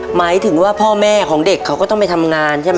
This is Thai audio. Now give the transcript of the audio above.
หมายถึงว่าพ่อแม่ของเด็กเขาก็ต้องไปทำงานใช่ไหม